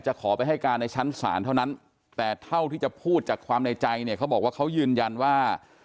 ขอไปให้การในชั้นศาลเท่านั้นแต่เท่าที่จะพูดจากความในใจเนี่ยเขาบอกว่าเขายืนยันว่า